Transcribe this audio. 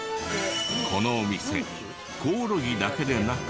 このお店コオロギだけでなく。